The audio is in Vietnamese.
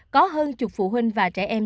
có hơn chục phụ huynh và trẻ em